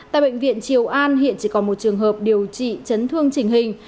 tại bệnh viện triều an hiện chỉ còn một trường hợp điều trị chấn thương trình hình